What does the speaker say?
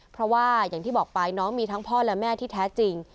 เพราะว่าอย่างที่บอกไปน้องมีทั้งพ่อและแม่ที่แท้จริง